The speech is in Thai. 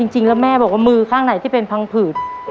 จริงแล้วแม่บอกว่ามือข้างไหนที่เป็นพังผืด